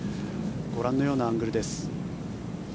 ご覧のようなアングルです。